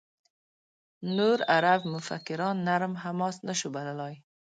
نور عرب مفکران «نرم حماس» نه شو بللای.